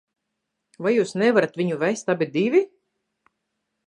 Vai jūs nevarat viņu vest abi divi?